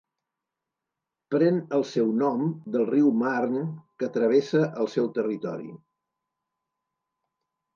Pren el seu nom del riu Marne, que travessa el seu territori.